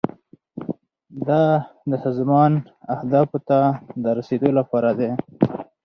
دا د سازمان اهدافو ته د رسیدو لپاره دی.